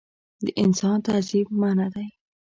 د انسان تعذیب منعه دی.